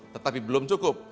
tetapi belum cukup